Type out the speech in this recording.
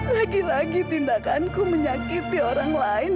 lagi lagi tindakanku menyakiti orang lain